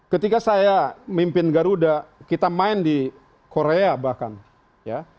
ketika saya mimpin garuda kita main di korea bahkan ya